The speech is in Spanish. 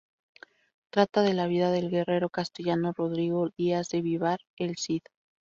Trata de la vida del guerrero castellano Rodrigo Díaz de Vivar: El Cid.